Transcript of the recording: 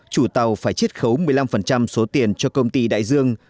chủ tàu phải chiết khấu một mươi năm số tiền cho công ty đại dương